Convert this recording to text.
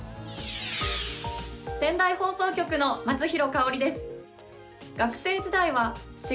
仙台放送局の松廣香織です。